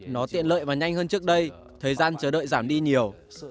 nó tiện lợi và nhanh hơn trước đây thời gian chờ đợi giảm đi nhiều